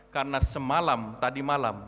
karena semalam tadi malam